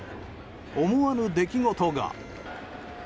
思わぬ出来事が。